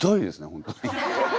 本当に。